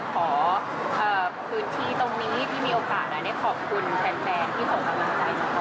ขอพื้นที่ตรงนี้ที่มีโอกาสได้ขอบคุณแฟนที่ส่งกำลังใจเฉพาะ